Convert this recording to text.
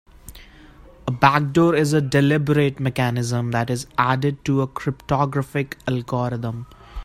A backdoor is a deliberate mechanism that is added to a cryptographic algorithm.